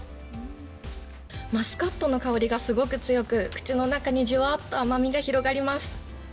マスカットの香りがすごく強く、口の中にじゅわっと甘みが広がります。